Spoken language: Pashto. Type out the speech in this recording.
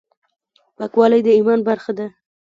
پاکوالی د ایمان برخه ده.